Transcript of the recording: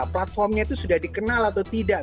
platformnya itu sudah dikenal atau tidak